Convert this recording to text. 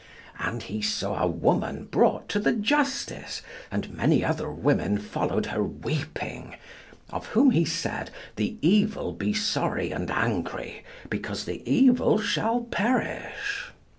And he saw a woman brought to the justice, and many other women followed her weeping, of whom he said the evil be sorry and angry because the evil shall perish.